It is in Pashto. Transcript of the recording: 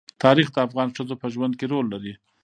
تاریخ د افغان ښځو په ژوند کې رول لري.